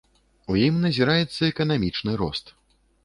У ім назіраецца эканамічны рост.